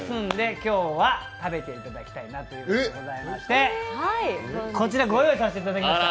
今日は食べていただきたいなということでございましてこちらご用意させていただきました。